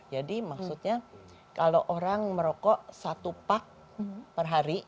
jadi maksudnya kalau orang merokok satu pack per hari